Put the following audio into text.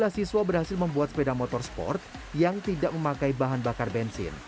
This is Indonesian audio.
dua puluh siswa berhasil membuat sepeda motor sport yang tidak memakai bahan bakar bensin